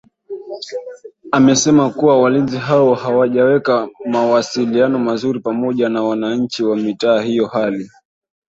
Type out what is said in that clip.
Amesema kuwa Walinzi hao hawajaweka mawasiliano mazuri pamoja na wananchi wa mitaa hiyo hali